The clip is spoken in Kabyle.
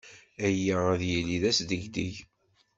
Aya ad yili d asdegdeg.